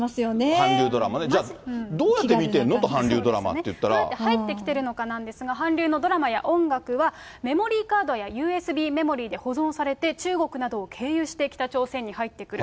韓流ドラマ入ってきてるのかなんですが、韓流のドラマや音楽はメモリーカードやＵＳＢメモリーで保存されて、中国などを経由して北朝鮮に入ってくる。